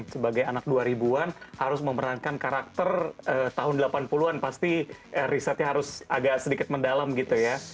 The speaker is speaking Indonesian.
sebagai anak dua ribu an harus memerankan karakter tahun delapan puluh an pasti risetnya harus agak sedikit mendalam gitu ya